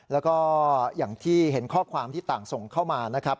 แล้วก็อย่างที่เห็นข้อความที่ต่างส่งเข้ามานะครับ